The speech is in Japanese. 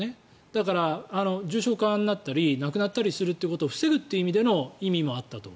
だから、重症化になったり亡くなったりすることを防ぐという意味での意味もあったと。